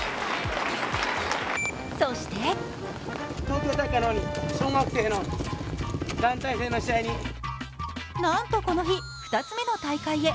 そしてなんとこの日、２つ目の大会へ。